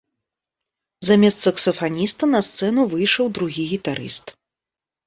Замест саксафаніста на сцэну выйшаў другі гітарыст.